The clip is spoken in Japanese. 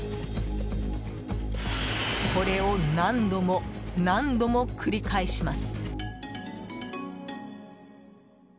これを、何度も何度も繰り返します。